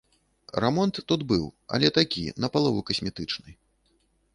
Рамонт тут быў, але такі, напалову касметычны.